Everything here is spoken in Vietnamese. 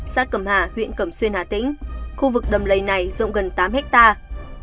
xã cầm hà huyện cầm xuyên hà tĩnh khu vực đầm lầy này rộng gần tám hectare